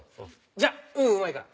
じゃあ「うーん。うまい」から。